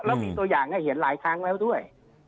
แล้วมีตัวอย่างให้เห็นหลายครั้งแล้วด้วย